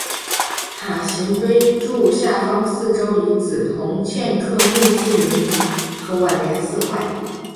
塔形碑柱下方四周以紫铜嵌刻墓志铭和挽词四块。